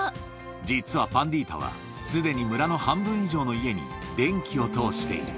実はパンディータは、すでに村の半分以上の家に電気を通している。